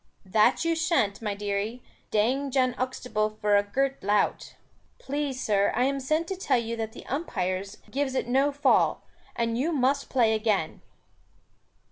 "That you shan't, my dearie, dang Jan Uxtable for a girt lout." "Please, sir, I am sent to tell you that the umpires gives it no fall, and you must play again."